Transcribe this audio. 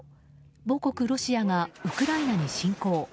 母国ロシアがウクライナに侵攻。